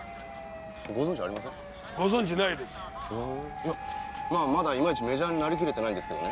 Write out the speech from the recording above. いやまあまだいまいちメジャーになりきれてないんですけどね。